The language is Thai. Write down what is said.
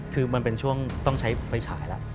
คือมันเป็นช่วงต้องใช้ไฟฉายแล้ว